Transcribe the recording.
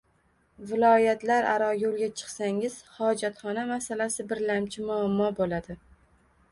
Viloyatlararo yo‘lga chiqsangiz xojatxona masalasi birlamchi muammo bo‘ladi.